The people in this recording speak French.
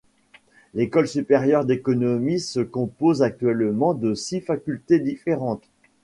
L’école supérieure d’économie se compose actuellement de six facultés différentes.